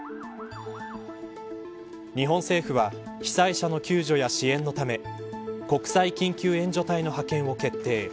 日本政府は被災者の救助や支援のため国際緊急援助隊の派遣を決定。